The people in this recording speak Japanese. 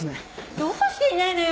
どうしていないのよ